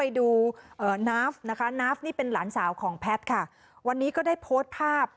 อันนี้เป็นภาพวันแต่งงาน